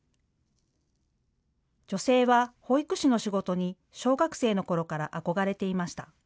女性は保育士の仕事に小学生のころから憧れていました。